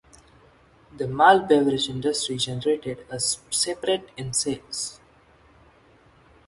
The malt beverage industry generated a separate in sales.